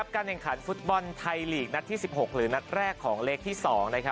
การแข่งขันฟุตบอลไทยลีกนัดที่๑๖หรือนัดแรกของเลขที่๒